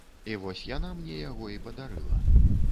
І вось яна мне яго і падарыла.